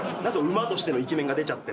馬としての一面が出ちゃって。